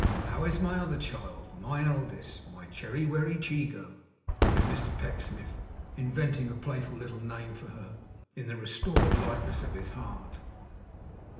How is my other child; my eldest; my Cherrywerrychigo?' said Mr Pecksniff, inventing a playful little name for her, in the restored lightness of his heart.